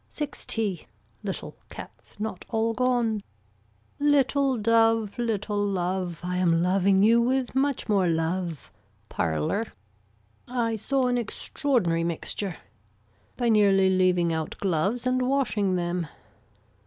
Sixty. Little cats not all gone. Little dove little love I am loving you with much more love. Parlor. I saw an extraordinary mixture. By nearly leaving out gloves and washing them.